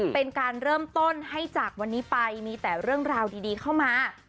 เป็นการเริ่มต้นให้จากวันนี้ไปมีแต่เรื่องราวดีเข้ามา